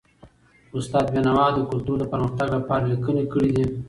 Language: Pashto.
استاد بینوا د کلتور د پرمختګ لپاره لیکني کړي دي.